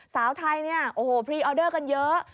สาวไทยเนี่ยโอ้โหพรีออเดอร์กันเยอะ